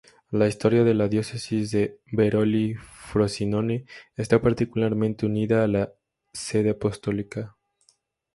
La historia de la diócesis de Veroli-Frosinone está particularmente unida a la Sede Apostólica.